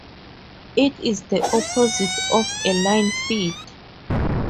It is the opposite of a line feed.